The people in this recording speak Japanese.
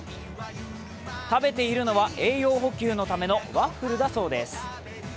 食べているのは、栄養補給のためのワッフルだそうです。